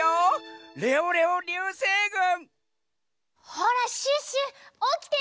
ほらシュッシュおきて！